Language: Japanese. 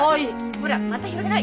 ・ほら股広げない！